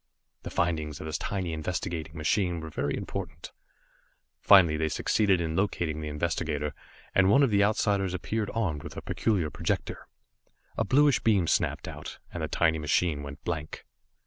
The findings of this tiny investigating machine were very important. Finally they succeeded in locating the investigator, and one of the Outsiders appeared armed with a peculiar projector. A bluish beam snapped out, and the tiny machine went blank.